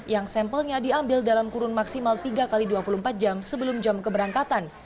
yang sampelnya diambil dalam kurun maksimal tiga x dua puluh empat jam sebelum jam keberangkatan